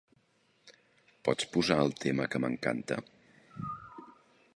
Pots posar el tema que m'encanta?